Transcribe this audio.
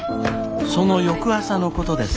その翌朝のことです。